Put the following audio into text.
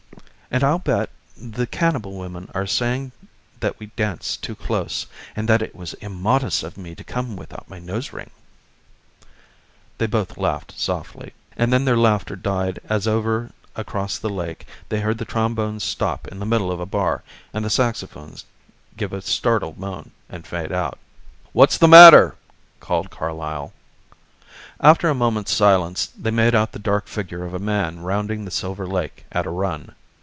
"And I'll bet the cannibal women are saying that we dance too close, and that it was immodest of me to come without my nose ring." They both laughed softly and then their laughter died as over across the lake they heard the trombones stop in the middle of a bar, and the saxaphones give a startled moan and fade out. "What's the matter?" called Carlyle. After a moment's silence they made out the dark figure of a man rounding the silver lake at a run.